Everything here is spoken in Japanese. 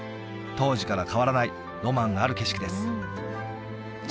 当時から変わらないロマンある景色です